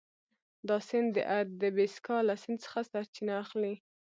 دا سیند د اتبسکا له سیند څخه سرچینه اخلي.